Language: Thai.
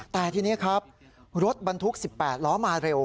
แต่ทีนี้ครับรถบรรทุก๑๘ล้อมาเร็ว